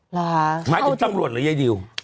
หมายถึงตำรวจหรือยายดิว